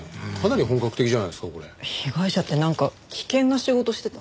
被害者ってなんか危険な仕事してたの？